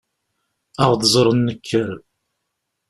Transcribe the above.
Ad ɣ-d-ẓren nekker.